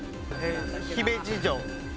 姫路城。